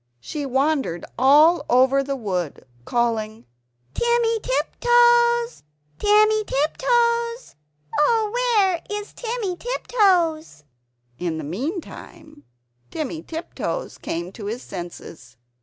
She wandered all over the wood, calling "Timmy Tiptoes! Timmy Tip toes! Oh, where is Timmy Tiptoes?" In the meantime Timmy Tiptoes came to his senses.